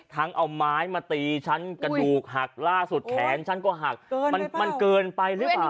ทั้งเอาไม้มาตีฉันกระดูกหักล่าสุดแขนฉันก็หักเกินไปเปล่ามันเกินไปหรือเปล่า